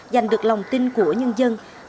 giành được lòng tin của nhân dân